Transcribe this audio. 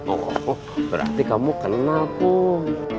oh berarti kamu kenal pun